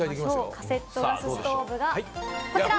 カセットガスストーブがこちら！